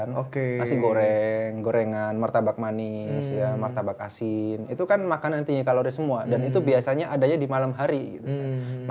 nasi goreng gorengan martabak manis ya martabak asin itu kan makanan tinggi kalori semua dan itu biasanya adanya di malam hari gitu kan